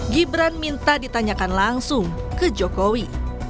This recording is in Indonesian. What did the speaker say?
gibran minta ditanyakan langsung ke jokowi